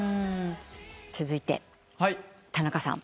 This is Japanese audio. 続いて田中さん。